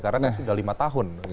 karena kan sudah lima tahun